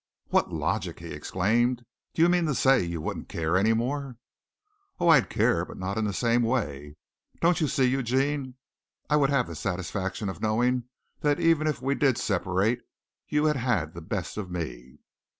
"What logic!" he exclaimed. "Do you mean to say you wouldn't care any more?" "Oh, I'd care, but not in the same way. Don't you see, Eugene, I would have the satisfaction of knowing that even if we did separate you had had the best of me."